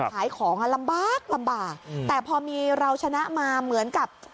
ขายของอ่ะลำบากลำบากแต่พอมีเราชนะมาเหมือนกับ